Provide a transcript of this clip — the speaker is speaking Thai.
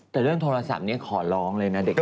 แต่เรื่องโทรศัพท์นี้ขอร้องเลยนะเด็ก